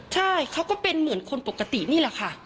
ใช่เขาก็เป็นเหมือนคนปกตินี่แหละค่ะ